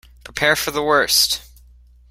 Prepare for the worst!